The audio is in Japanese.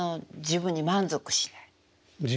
自分に満足しない。